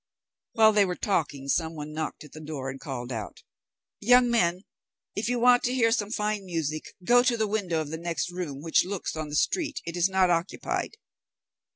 While they were talking, some one knocked at the door, and called out, "Young men, if you want to hear some fine music, go to the window of the next room, which looks on the street; it is not occupied."